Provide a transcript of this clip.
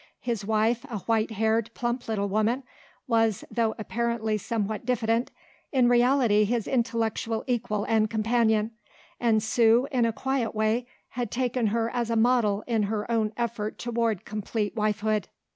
His wife, a white haired, plump little woman, was, though apparently somewhat diffident, in reality his intellectual equal and companion, and Sue in a quiet way had taken her as a model in her own effort toward complete wifehood.